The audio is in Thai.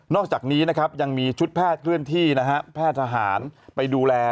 อกจากนี้นะครับยังมีชุดแพทย์เคลื่อนที่นะฮะแพทย์ทหารไปดูแล